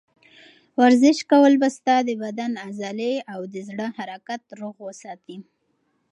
ورزش کول به ستا د بدن عضلې او د زړه حرکت روغ وساتي.